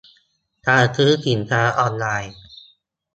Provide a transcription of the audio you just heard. การซื้อสินค้าออนไลน์